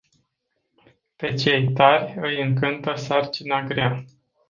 Pe cei tari îi încântă sarcina grea.